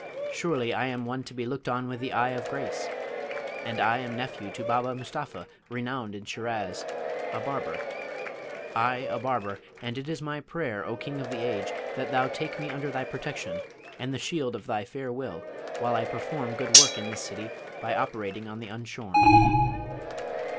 surely I am one to be looked on with the eye of grace; and I am nephew to Baba Mustapha, renowned in Shiraz, a barber; I a barber, and it is my prayer, O King of the Age, that thou take me under thy protection and the shield of thy fair will, while I perform good work in this city by operating on the unshorn.'